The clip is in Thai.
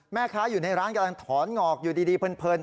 แม่ค้าอยู่ในร้านกำลังถอนงอกอยู่ดีเพลิน